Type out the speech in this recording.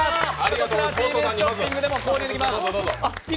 こちらはＴＢＳショッピングでも購入できます。